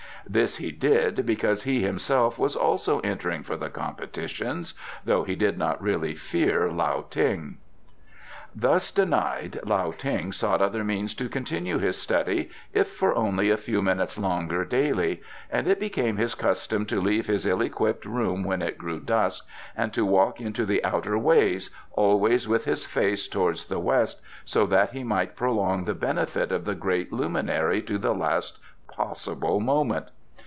This he did because he himself was also entering for the competitions, though he did not really fear Lao Ting. Thus denied, Lao Ting sought other means to continue his study, if for only a few minutes longer daily, and it became his custom to leave his ill equipped room when it grew dusk and to walk into the outer ways, always with his face towards the west, so that he might prolong the benefit of the great luminary to the last possible moment.